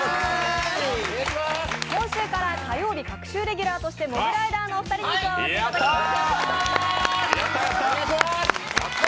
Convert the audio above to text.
今週から火曜日隔週レギュラーとしてモグライダーのお二人に加わっていただきます